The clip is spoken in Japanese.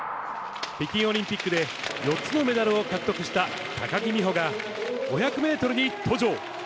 北京オリンピックで４つのメダルを獲得した高木美帆が５００メートルに登場。